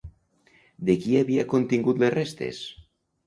De qui havia contingut les restes?